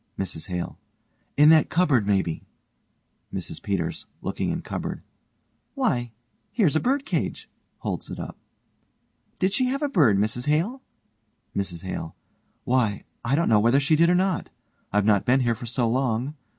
MRS HALE: In that cupboard, maybe. MRS PETERS: (looking in cupboard) Why, here's a bird cage, (holds it up) Did she have a bird, Mrs Hale? MRS HALE: Why, I don't know whether she did or not I've not been here for so long.